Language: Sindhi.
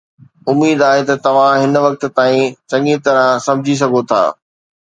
اميد آهي ته توهان هن وقت تائين چڱي طرح سمجهي سگهو ٿا